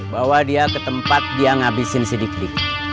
bawa dia ke tempat dia ngehabisin si dik dik